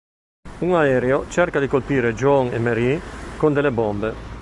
Un aereo cerca di colpire John e Marie con delle bombe.